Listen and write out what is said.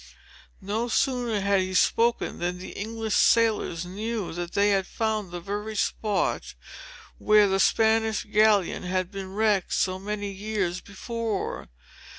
No sooner had he spoken, than the English sailors knew that they had found the very spot where the Spanish galleon had been wrecked so many years before.